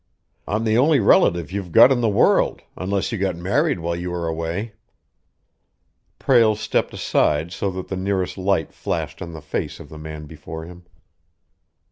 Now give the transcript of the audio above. I'm the only relative you've got in the world, unless you got married while you were away." Prale stepped aside so that the nearest light flashed on the face of the man before him.